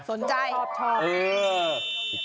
สนใจชอบ